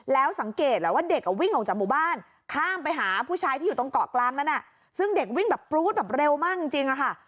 แล้วสังเกตแหละว่าเด็กวิ่งออกจากหมู่บ้านข้ามไปหาผู้ชายที่อยู่ตรงเกาะกลางนั้นซึ่งเด็กวิ่งแบบปรู๊ดแบบเร็วมากจริงอะค่ะ